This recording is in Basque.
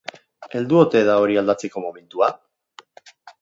Heldu ote da hori aldatzeko momentua?